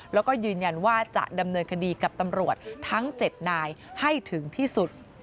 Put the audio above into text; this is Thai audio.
แล้วก็ยืนยันว่าจะดำเนินคดีกับตำรวจทั้ง๗นายให้ถึงที่สุด